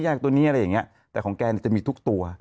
ตัวนี้อะไรอย่างเงี้ยแต่ของแกเนี่ยจะมีทุกตัว